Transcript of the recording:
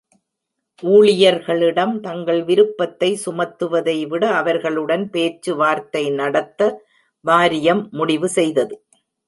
ஊழியர்களிடம் தங்கள் விருப்பத்தை சுமத்துவதை விட அவர்களுடன் பேச்சுவார்த்தை நடத்த வாரியம் முடிவு செய்தது.